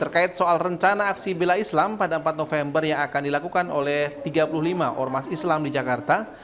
terkait soal rencana aksi bela islam pada empat november yang akan dilakukan oleh tiga puluh lima ormas islam di jakarta